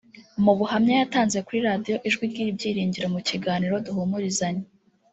Mu buhamya yatanze kuri Radio Ijwi ry’Ibyiringiro mu kiganiro Duhumurizanye